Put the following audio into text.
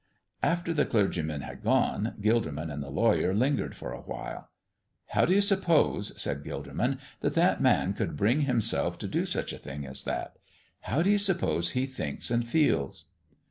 After the clergymen had gone, Gilderman and the lawyer lingered for a while. "How do you suppose," said Gilderman, "that that man could bring himself to do such a thing as that? How do you suppose he thinks and feels?"